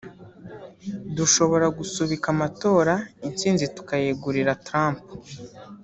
dushobora gusubika amatora intsinzi tukayegurira Trump